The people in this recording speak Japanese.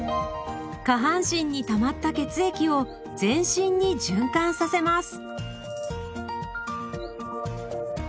下半身にたまった血液を全身に循環させます。